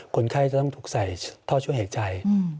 คนไข้จะต้องถูกใส่ท่อช่วยหายใจ